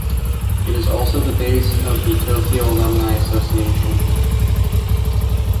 It is also the base of the Tokyo Alumni Association.